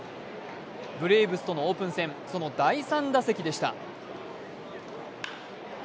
ブレーブスとのオープン戦、その第３打席でした。